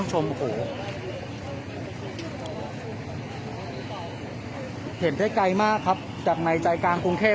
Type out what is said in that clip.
เห็นได้ไกลมากครับจากในใจกลางกรุงเทพ